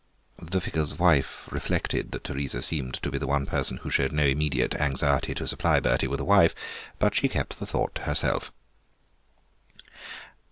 The vicar's wife reflected that Teresa seemed to be the one person who showed no immediate anxiety to supply Bertie with a wife, but she kept the thought to herself.